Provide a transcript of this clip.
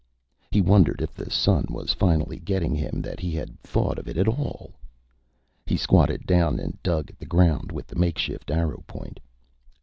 He wondered if the sun was finally getting him that he had thought of it at all. He squatted down and dug at the ground with the makeshift arrow point.